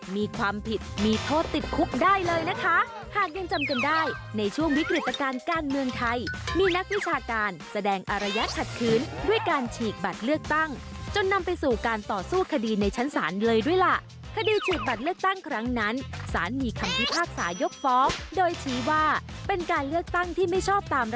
มีความผิดมีโทษติดคุกได้เลยนะคะหากยังจำกันได้ในช่วงวิกฤตการณ์การเมืองไทยมีนักวิชาการแสดงอารยะขัดคืนด้วยการฉีกบัตรเลือกตั้งจนนำไปสู่การต่อสู้คดีในชั้นศาลเลยด้วยล่ะคดีฉีกบัตรเลือกตั้งครั้งนั้นสารมีคำพิพากษายกฟ้องโดยชี้ว่าเป็นการเลือกตั้งที่ไม่ชอบตาม